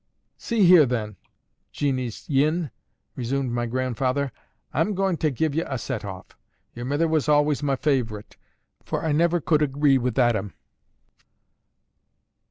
"See here, then, Jeannie's yin!" resumed my grandfather. "A'm goin' to give ye a set off. Your mither was always my fav'rite, for A never could agree with Aadam.